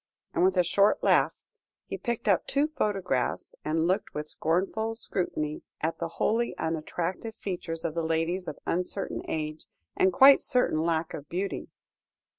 and with a short laugh he picked up two photographs, and looked with scornful scrutiny at the wholly unattractive features of the ladies of uncertain age, and quite certain lack of beauty.